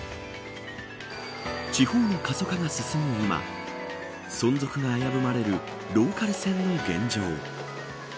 地方の過疎化が進む今存続が危ぶまれるローカル線の現状。